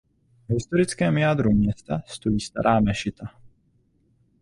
V historickém jádru města stojí stará mešita.